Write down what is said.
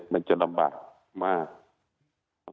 มันจะลำบากมาก